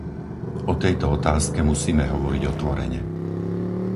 O tejto otázke musíme hovoriť otvorene.